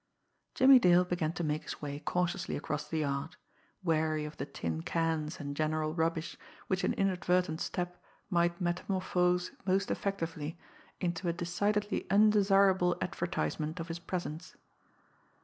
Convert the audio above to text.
Jimmie Dale began to make his way cautiously across the yard, wary of the tin cans and general rubbish which an inadvertent step might metamorphose most effectively into a decidedly undesirable advertisement of his presence.